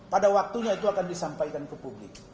pada waktunya itu akan disampaikan ke publik